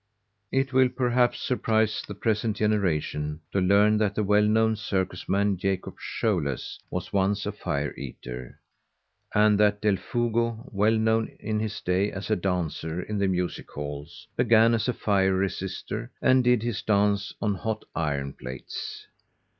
It will perhaps surprise the present generation to learn that the well known circus man Jacob Showles was once a fire eater, and that Del Fugo, well known in his day as a dancer in the music halls, began as a fire resister, and did his dance on hot iron plates.